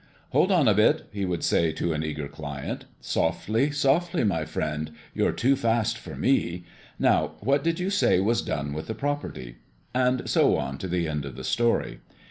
"Hold on a bit," he would say to an eager client, "softly, softly, my friend, you're too fast for me. Now, what did you say was done with the property?" and so on to the end of the story.